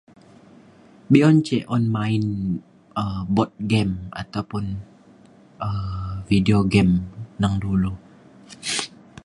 be’un ce un main um boat game ataupun um video game neng dulu